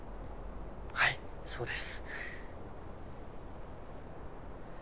はいそうです！